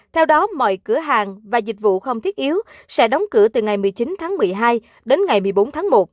theo đó mọi cửa hàng và dịch vụ không thiết yếu sẽ đóng cửa từ ngày một mươi chín tháng một mươi hai đến ngày một mươi bốn tháng một